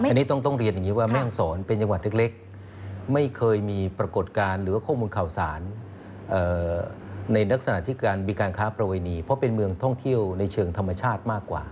อันนี้ต้องเรียนอย่างนี้ว่าแม่ห้องศรเป็นจังหวัดเล็กไม่เคยมีปรากฏการณ์หรือว่าข้อมูลข่าวสารในลักษณะที่การมีการค้าประเวณีเพราะเป็นเมืองท่องเที่ยวในเชิงธรรมชาติมากกว่า